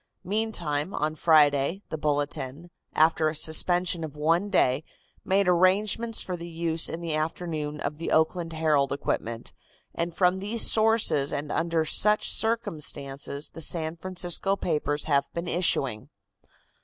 Meantime, on Friday, the Bulletin, after a suspension of one day, made arrangements for the use in the afternoon of the Oakland Herald equipment, and from these sources and under such circumstances the San Francisco papers have been issuing.